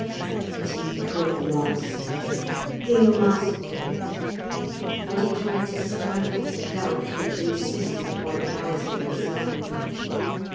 Yet he could not stay; he must do it, and he tried to stifle the doubt which insisted upon arising in his mind.